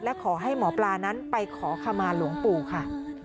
และขอให้หมอปลานั้นไปขอขมาหลวงปู่ค่ะ